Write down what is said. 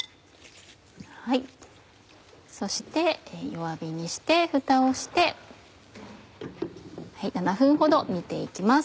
そして弱火にしてフタをして７分ほど煮て行きます。